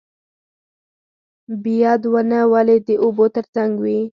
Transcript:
بید ونه ولې د اوبو تر څنګ وي؟